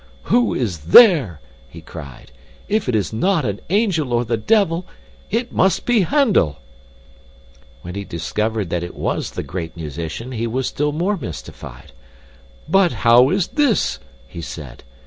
'Who is there?' he cried. 'If it is not an angel or the devil, it must be Handel!' When he discovered that it WAS the great musician, he was still more mystified! 'But how is this?' he said.